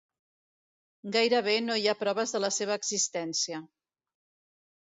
Gairebé no hi ha proves de la seva existència.